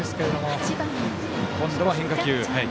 今度は変化球。